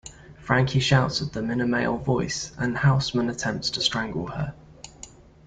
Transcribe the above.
Frankie shouts at them in a male voice, and Houseman attempts to strangle her.